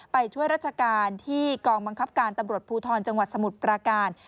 ไปช่วยราชการที่กองบังคับการตำรวจภูทรจังหวัดสมุทรปราการ